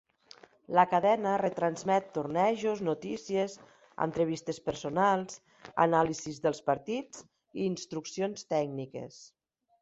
La cadena retransmet tornejos, notícies, entrevistes personals, anàlisis dels partits i instruccions tècniques.